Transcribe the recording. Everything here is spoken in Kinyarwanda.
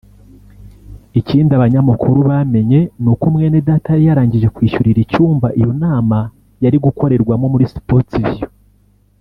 Ikindi abanyamakuru bamenye n’uko Mwenedata yari yarangije kwishyurira icyumba iyo nama yari gukorerwamo muri Sports View